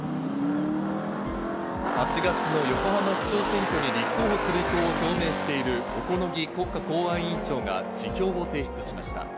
８月の横浜市長選挙に立候補する意向を表明している小此木国家公安委員長が辞表を提出しました。